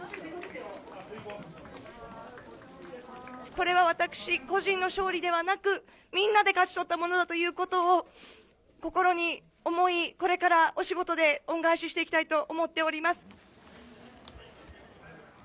これは私個人の勝利ではなく、みんなで勝ち取ったものだということを、心に思い、これからお仕事で恩返ししていきたいと思っております。